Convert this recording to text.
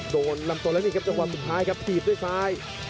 โดนลำตัวแล้วนี่ครับจังหวะสุดท้ายครับถีบด้วยซ้าย